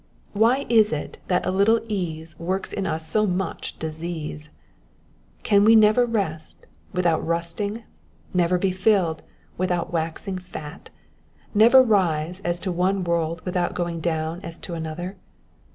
Why is it that a little ease works in us so much disease ? Can we never rest without rusting ? Never be filled without waxing fat ? Never rise as to one world without going down as to another